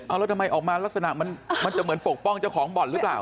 เอาแล้วทำไมออกมาลักษณะมันจะเหมือนปกป้องเจ้าของบ่อนหรือเปล่า